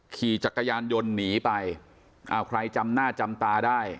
ขี่จักรยานยนต์หนีไปอ้าวใครจำหน้าจำตาได้